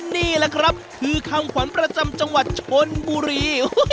นี่แหละครับคือคำขวัญประจำจังหวัดชนบุรี